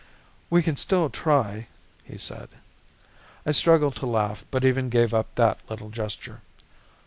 "We can still try," he said. I struggled to laugh but even gave up that little gesture.